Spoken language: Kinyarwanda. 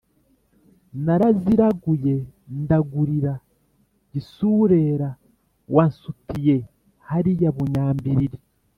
naraziraguye ndagurira gisurera wa nsutiye hariya bunyambiriri